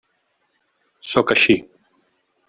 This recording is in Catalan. Sóc així.